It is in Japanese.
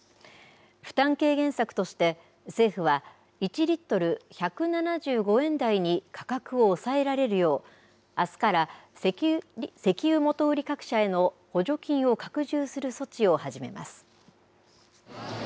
負担軽減策として、政府は、１リットル１７５円台に価格を抑えられるよう、あすから石油元売り各社への補助金を拡充する措置を始めます。